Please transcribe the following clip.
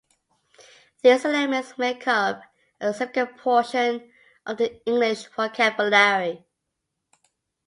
These elements make up a significant portion of the English vocabulary.